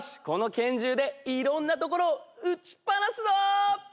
この拳銃でいろんなところを撃ちっ放すぞ。